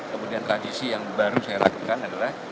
kemudian tradisi yang baru saya lakukan adalah